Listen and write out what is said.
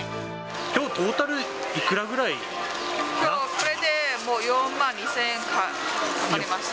きょう、トータルいくらぐらきょう、これで４万２０００円かかりました。